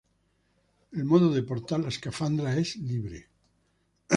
El modo de portar la escafandra es libre.